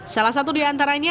salah satu diantaranya